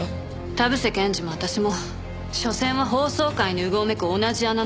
田臥検事も私もしょせんは法曹界にうごめく同じ穴のむじな。